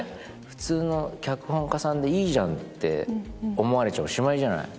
普通の脚本家さんでいいじゃんって思われちゃおしまいじゃない？